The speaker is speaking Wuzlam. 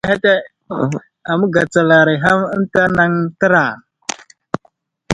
Ama gatsalaray ham eŋta nay təra.